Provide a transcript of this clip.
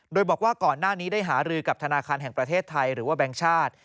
โดยบอกว่าก่อนหน้านี้ได้หารือกับธนาคารแห่งประเทศไทยหรือว่าแบงค์ชาติ